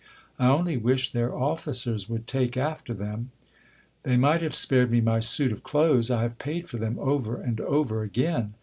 I only wish their officers would take after them ! They might have spared me my suit of clothes : I have paid for them over and over again.